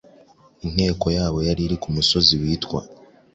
Inteko yabo yari ku musozi witwa